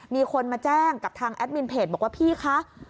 มีคนมาแจ้งกับทางแอดมินเพจบอกว่าพี่คะ